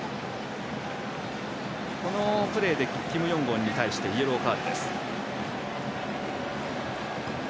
このプレーでキム・ヨングォンに対してイエローカードです。